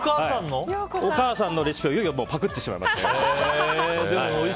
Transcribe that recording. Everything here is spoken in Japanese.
お母さんのレシピをいよいよパクってしまいました。